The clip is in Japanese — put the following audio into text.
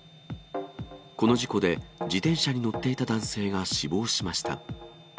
この事故で、自転車に乗っていた男性が死亡しました。